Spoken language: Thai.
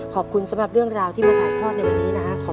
ขอบคุณสำหรับเรื่องราวที่มาถ่ายทอดในวันนี้นะครับ